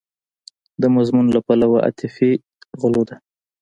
د مضمون له پلوه عاطفي غلوه ده.